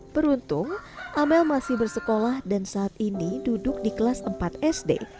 beruntung amel masih bersekolah dan saat ini duduk di kelas empat sd